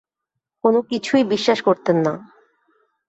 কোনো কিছুই বিশ্বাস করতেন না।